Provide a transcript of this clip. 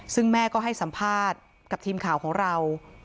ซึ่งแม่ก็ให้สัมภาษณ์กับทีมข่าวของเรา